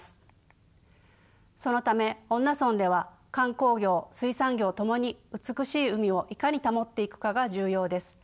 そのため恩納村では観光業水産業ともに美しい海をいかに保っていくかが重要です。